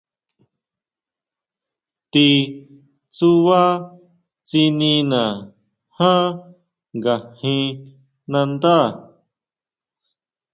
Ti tsuba tsinina jan nga jín nandá.